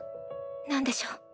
何でしょう？